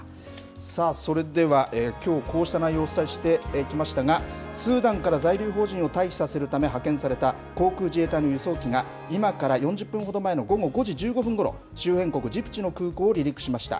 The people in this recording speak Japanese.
それでは、きょう、こうした内容をお伝えしてきましたが、スーダンから在留邦人を退避させるため派遣された航空自衛隊の輸送機が、今から４０分ほど前の午後５時１５分ごろ、周辺国ジブチの空港を離陸しました。